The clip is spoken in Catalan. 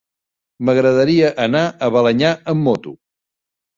M'agradaria anar a Balenyà amb moto.